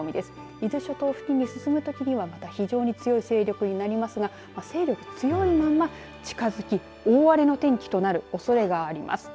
伊豆諸島付近に進むときにはまた非常に強い勢力になりますが勢力が強いまま近づき、大荒れの天気となるおそれがあります。